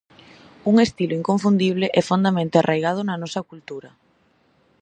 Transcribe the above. Un estilo inconfundible e fondamente arraigado na nosa cultura.